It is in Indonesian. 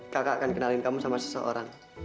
kakak akan kenalin kamu sama seseorang